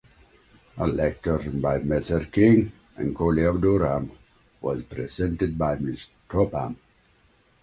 A lectern by Messrs King and Collie of Durham was presented by Miss Topham.